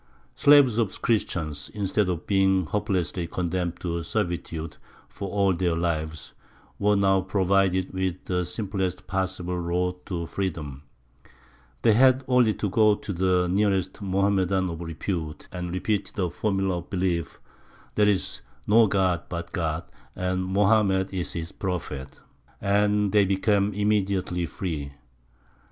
Slaves of Christians, instead of being hopelessly condemned to servitude for all their lives, were now provided with the simplest possible road to freedom: they had only to go to the nearest Mohammedan of repute, and repeat the formula of belief, "There is no god but God, and Mohammed is His Prophet," and they became immediately free.